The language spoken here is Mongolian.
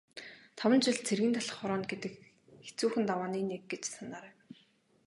Таван жил цэргийн талх хорооно гэдэг хэцүүхэн давааны нэг гэж санаарай.